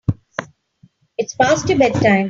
It's past your bedtime.